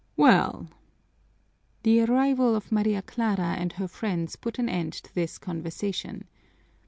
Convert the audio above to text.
Well " The arrival of Maria Clara and her friends put an end to this conversation.